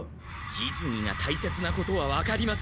実技がたいせつなことはわかります。